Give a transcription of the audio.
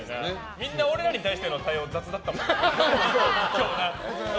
みんな俺らに対しての対応雑だったよな、今日。